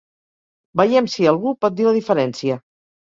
Veiem si algú pot dir la diferència!